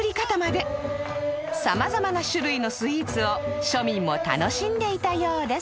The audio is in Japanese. さまざまな種類のスイーツを庶民も楽しんでいたようです